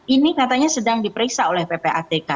ini katanya sedang diperiksa oleh ppatk